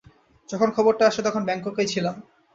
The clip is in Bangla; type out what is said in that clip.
যখন খবরটা আসে, তখন ব্যাংককেই ছিলাম।